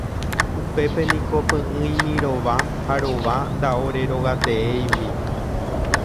Upépe niko py'ỹimi rova ha rova ndaorerogateéigui.